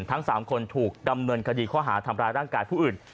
ทั้ง๓คนถูกดำเนินคดีข้อหาทำร้ายร่างกายผู้อื่น